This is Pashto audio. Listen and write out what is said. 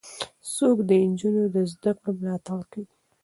څوک د نجونو د زدهکړو ملاتړ کوي؟